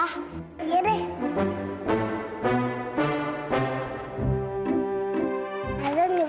juga bisareg grinian